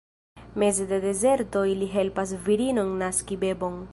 Meze de dezerto, ili helpas virinon naski bebon.